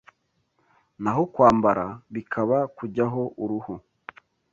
Naho kwambara, bikaba kujyaho uruhu